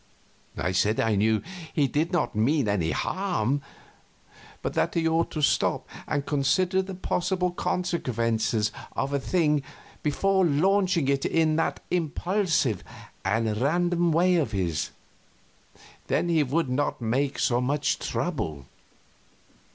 I said I knew he did not mean any harm, but that he ought to stop and consider the possible consequences of a thing before launching it in that impulsive and random way of his; then he would not make so much trouble.